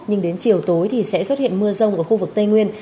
nhưng đến chiều tối thì sẽ xuất hiện mưa rông ở khu vực tây nguyên